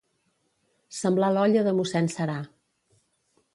Semblar l'olla de mossèn Serà.